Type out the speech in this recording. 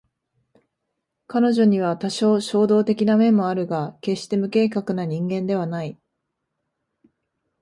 彼女には多少衝動的な面もあるが決して無計画な人間ではない